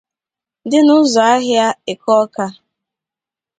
dị n'ụzọ ahịa Eke Awka